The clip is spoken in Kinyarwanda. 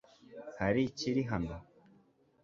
Hari kiri hano